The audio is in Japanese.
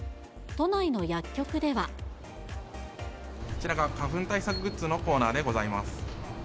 こちらが花粉対策グッズのコーナーでございます。